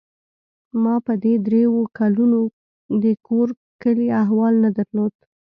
ما په دې درېو کلونو د کور کلي احوال نه درلود.